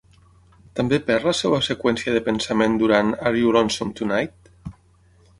També perd la seva seqüència de pensament durant Are You Lonesome Tonight?